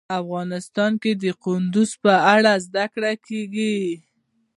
افغانستان کې د کندهار په اړه زده کړه کېږي.